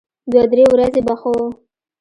دوه درې ورځې به ښه و.